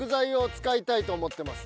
使いたいと思ってます。